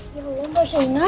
ya allah mbak sienna